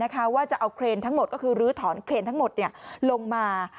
ว่าจะเอาเครนทั้งหมดก็คือลื้อถอนเครนทั้งหมดลงมา